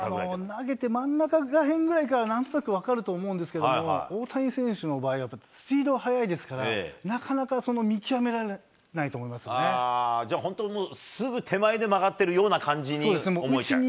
投げて真ん中ら辺ぐらいからなんとなく分かると思うんですけども、大谷選手の場合はやっぱりスピードが速いですから、なかなじゃ本当、すぐ手前で曲がってるような感じに思えちゃう。